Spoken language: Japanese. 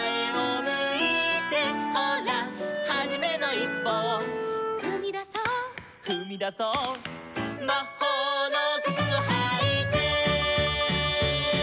「ほらはじめのいっぽを」「ふみだそう」「ふみだそう」「まほうのくつをはいて」